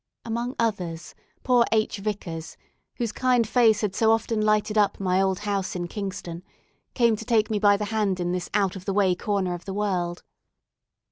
Among others, poor H. Vicars, whose kind face had so often lighted up my old house in Kingston, came to take me by the hand in this out of the way corner of the world.